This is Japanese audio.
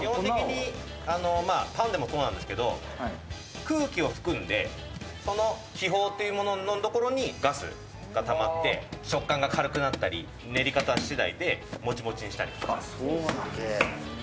パンでもそうなんですけど、空気を含んで気泡のところにガスがたまって、食感が軽くなったり、練り方次第でもちもちにしたり。